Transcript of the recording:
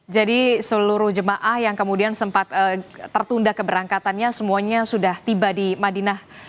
jadi seluruh jemaah yang kemudian sempat tertunda keberangkatannya semuanya sudah tiba di madinah